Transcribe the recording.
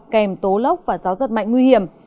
kèm tố lốc và gió giật mạnh nguy hiểm